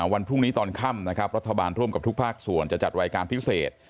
วันพรุ่งนี้ตอนค่ำนะครับรัฐบาลร่วมกับทุกภาคส่วนจะจัดรายการพิเศษ